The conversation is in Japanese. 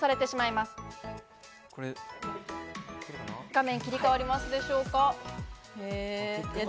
画面、切り替わりますでしょうか？